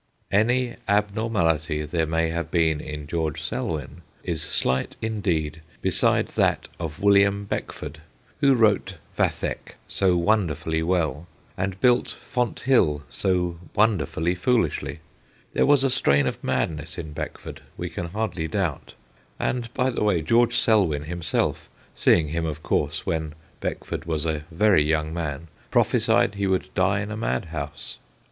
Any abnormality there may have been in George Selwyn is slight indeed beside that of William Beckford, who wrote Vathek so wonderfully well, and built ' Fonthill ' so wonderfully foolishly. There was a strain of madness in Beckford, we can hardly doubt ; and by the way, George Selwyn himself (seeing him, of course, when Beck ford was a very young man), prophesied he would die in a madhouse.